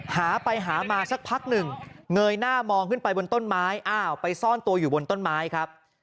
หาไปหามาสักพักหนึ่งเงยหน้ามองขึ้นไปบนต้นไม้อ้าวไปซ่อนตัวอยู่บนต้นไม้ครับ